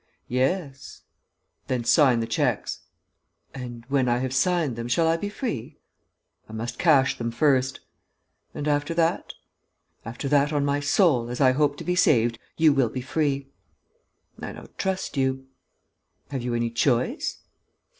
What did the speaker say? "Yes." "Then sign the cheques." "And, when I have signed them, shall I be free?" "I must cash them first." "And after that?" "After that, on my soul, as I hope to be saved, you will be free." "I don't trust you." "Have you any choice?"